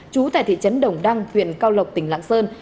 trú tại thị trấn đồng đăng huyện cao lộc tỉnh lạng sơn